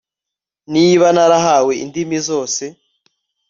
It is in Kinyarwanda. Niba narahawe indimi zose